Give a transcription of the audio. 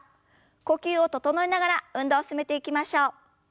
呼吸を整えながら運動を進めていきましょう。